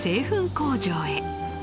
工場へ。